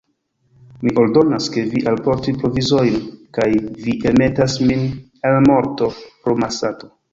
Mi ordonas, ke vi alportu provizojn, kaj vi elmetas min al morto pro malsato!